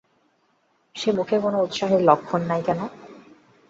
সে মুখে কোনো উৎসাহের লক্ষণ নাই কেন?